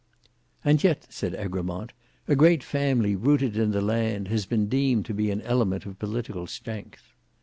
"And yet," said Egremont, "a great family rooted in the land, has been deemed to be an element of political strength."